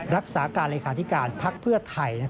รักษาการเลขาธิการภักดิ์เพื่อไทย